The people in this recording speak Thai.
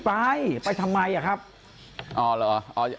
คือเป็นการอัดเทปเอาไว้เมื่อช่วงเย็นค่ำที่ลุงพลกลับมาถึงบ้าน